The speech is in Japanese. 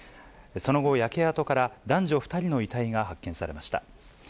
その後、焼け跡から男女２人の遺体が発見されました。